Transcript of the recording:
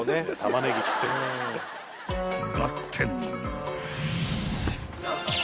［ばってん］